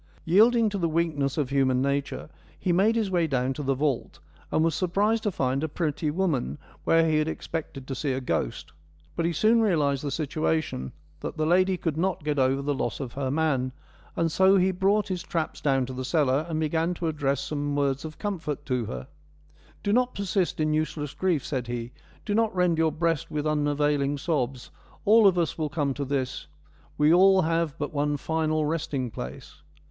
Yielding to the weakness of human nature, he made his way down to the vault, and was surprised to find a pretty woman, where THE MILESIAN TALES 55 he had expected to see a ghost. But he soon realised the situation — that the lady could not get over the loss of her man — and so he brought his traps down to the cellar and began to address some words of comfort to her. ' Do not persist in useless grief/ said he, ' do not rend your breast with un availing sobs ; all of us will come to this ; we all have but one final resting place.'